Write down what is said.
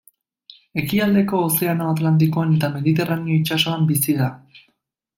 Ekialdeko Ozeano Atlantikoan eta Mediterraneo itsasoan bizi da.